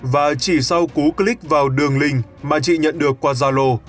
và chỉ sau cú click vào đường link mà chị nhận được qua zalo